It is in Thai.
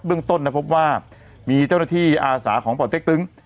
เรื่องต้นนะครับพบว่ามีเจ้าหน้าที่อาสาของป่อเต๊กตึ๊ง